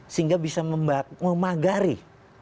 sehingga bisa memagari